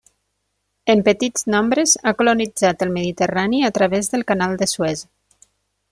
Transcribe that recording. En petits nombres ha colonitzat el Mediterrani a través del canal de Suez.